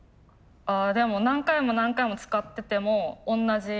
あでも何回も何回も使ってても同じ。